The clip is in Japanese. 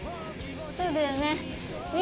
そうだよね。